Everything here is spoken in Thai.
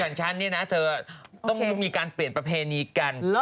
อย่างฉันนี้นะเธอต้มีการเปลี่ยนประเพณีกัน